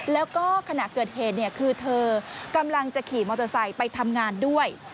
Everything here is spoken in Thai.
แล้วก็ขณะเกิดเหตุคือเธอกำลังจะขี่มอเตอร์ไซค์ไปทำงานด้วย